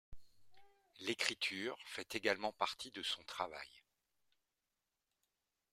L'écriture fait également partie de son travail.